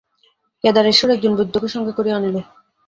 কেদারেশ্বর একজন বৈদ্যকে সঙ্গে করিয়া আনিল।